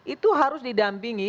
itu harus didampingi